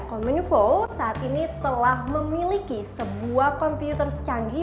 kominfo saat ini telah memiliki sebuah komputer secanggih